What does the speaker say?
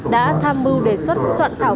đã tham mưu đề xuất soạn thảo